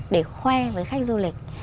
để khoe với khách du lịch